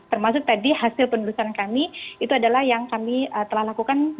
termasuk tadi hasil penelusuran kami itu adalah yang kami telah lakukan